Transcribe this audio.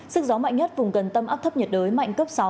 sức gió mạnh nhất vùng gần tâm áp thấp nhiệt đới mạnh cấp sáu